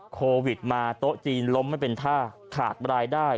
โควิดมาโต๊ะจีนล้มไม่เป็นท่าขาดรายได้